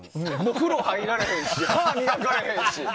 風呂入られへんし歯磨かれへんし。